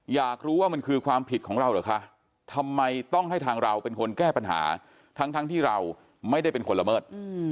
อยากรู้ว่ามันคือความผิดของเราเหรอคะทำไมต้องให้ทางเราเป็นคนแก้ปัญหาทั้งที่เราไม่ได้เป็นคนละเมิด